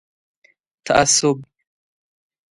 تعصب